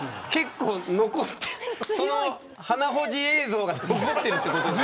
その鼻ほじ映像が残っているということですか。